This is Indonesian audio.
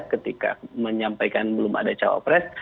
ketika menyampaikan belum ada cawapres